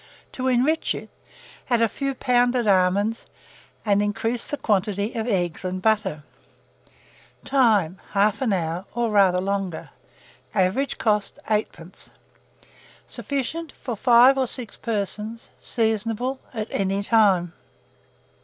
To enrich it, add a few pounded almonds, and increase the quantity of eggs and butter. Time. 1/2 hour, or rather longer. Average cost, 8d. Sufficient for 5 or 6 persons. Seasonable at any time.